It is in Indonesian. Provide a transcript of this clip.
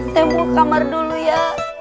saya mau kamar dulu ya